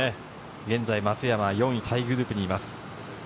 現在、松山は４位タイグループにいます。